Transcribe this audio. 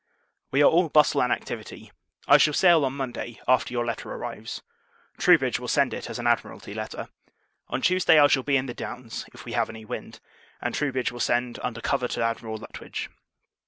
We are all bustle and activity. I shall sail, on Monday, after your letter arrives. Troubridge will send it, as an Admiralty letter. On Tuesday I shall be in the Downs, if we have any wind; and Troubridge will send, under cover to Admiral Lutwidge.